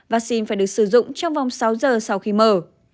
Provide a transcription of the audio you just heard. vaccine phải được sử dụng trong vòng sáu giờ sau khi mở